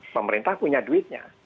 pemerintah punya duitnya